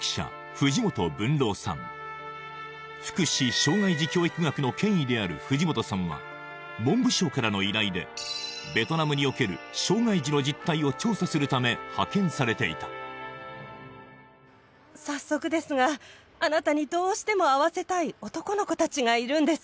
藤本文朗さんである藤本さんは文部省からの依頼でベトナムにおける障がい児の実態を調査するため派遣されていた早速ですがあなたにどうしても会わせたい男の子たちがいるんです